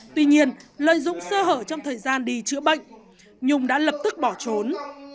tuy nhiên lợi dụng sơ hở trong thời gian đi chữa bệnh nhung đã lập tức bỏ trốn